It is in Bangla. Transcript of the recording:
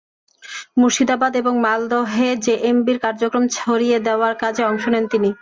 মুর্শিদাবাদ এবং মালদহে জেএমবির কার্যক্রম ছড়িয়ে দেওয়ার কাজে অংশ নেন তিনি।